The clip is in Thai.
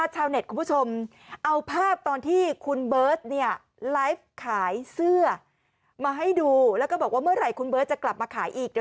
ฉันต้องมาด้วยกันฉันสดเฉลี่ยที่สุกไม่ติดเพียงเมื่อเวลาสักสัก